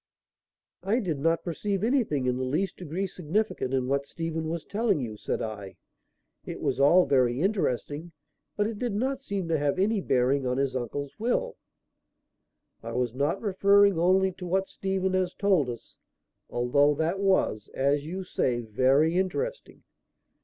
"I did not perceive anything in the least degree significant in what Stephen was telling you," said I. "It was all very interesting, but it did not seem to have any bearing on his uncle's will." "I was not referring only to what Stephen has told us, although that was, as you say, very interesting.